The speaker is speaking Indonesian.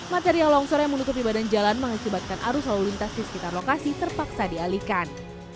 material longsor yang menutupi badan jalan mengakibatkan arus lalu lintas di sekitar lokasi terpaksa dialihkan